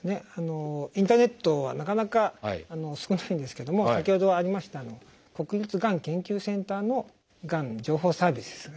インターネットはなかなか少ないんですけども先ほどありました国立がん研究センターのがん情報サービスですね